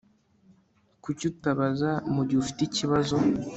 Kuki utabaza mugihe ufite ikibazo